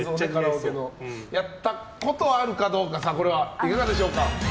やったことあるかどうかいかがでしょうか？